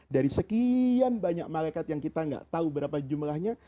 dari sekian banyak malaikat yang kita nggak tahu berapa jumlahnya